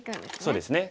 そうですね。